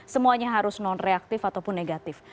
semuanya harus nonreaktif ataupun negatif